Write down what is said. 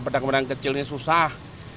berdampak berdampak kecil ini susah